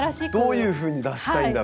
どういうふうに脱したいんだろう。